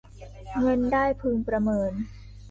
เงินได้พึงประเมิน